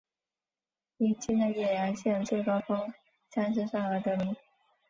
因境内岳阳县最高峰相思山而得名。